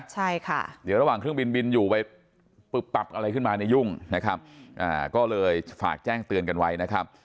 ใช่ค่ะเดี๋ยวระหว่างเครื่องบินบินอยู่ไปปึบปับอะไรขึ้นมาเนี่ยยุ่งนะครับก็เลยฝากแจ้งเตือนกันไว้นะครับ